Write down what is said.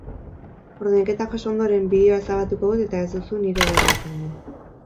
Ordainketa jaso ondoren, bideoa ezabatuko dut eta ez duzu nire berri izango.